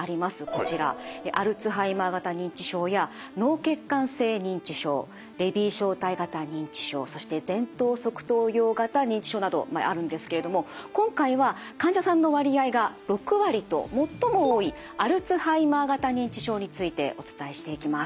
こちらアルツハイマー型認知症や脳血管性認知症レビー小体型認知症そして前頭側頭葉型認知症などあるんですけれども今回は患者さんの割合が６割と最も多いアルツハイマー型認知症についてお伝えしていきます。